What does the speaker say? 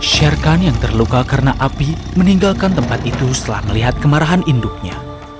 sherkan yang terluka karena api meninggalkan tempat itu setelah melihat kemarahan induknya